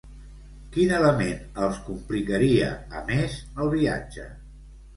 Quin element els complicaria, a més, el viatge?